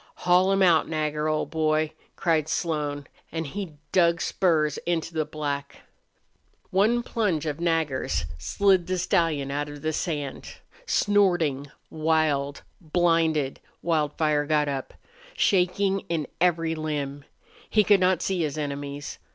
"Haul him out, Nagger, old boy!" cried Slone, and he dug spurs into the black. One plunge of Nagger's slid the stallion out of the sand. Snorting, wild, blinded, Wildfire got up, shaking in every limb. He could not see his enemies.